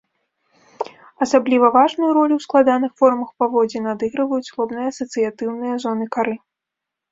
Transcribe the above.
Асабліва важную ролю ў складаных формах паводзін адыгрываюць лобныя асацыятыўныя зоны кары.